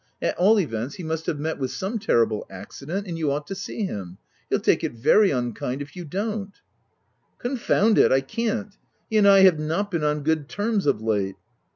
— At all events, he must have met with some terrible accident, and you ought to see him : he'll take it very unkind of you if you don't." " Confound it ! I can't. He and I have not been on good terms, of late."